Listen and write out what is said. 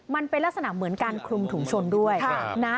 มันเป็นลักษณะเหมือนการคลุมถุงชนด้วยนะ